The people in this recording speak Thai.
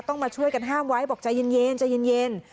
ต้องมาช่วยกันห้ามไว้บอกจะเย็น